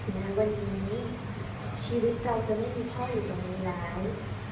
แม้วันนี้ชีวิตเราจะไม่มีค่าอยู่กับมึงแล้ว